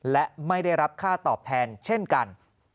และไม่ได้รับค่าตอบแทนเช่นกัน